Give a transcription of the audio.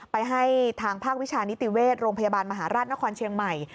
ไปให้ทางภาควิชานิติเวชโรงพยาบาลมหาราชนครเชียงใหม่